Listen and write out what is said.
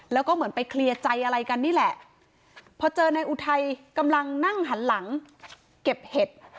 แล้วก็เหมือนไปเคลียร์ใจอะไรกันนี่แหละพอเจอนายอุทัยกำลังนั่งหันหลังเก็บเห็ด